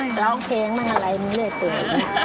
นี่ค่ะร้องเพลงมหาลัยมิเวศเตย